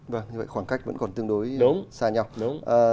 vâng khoảng cách vẫn còn tương đối xa nhau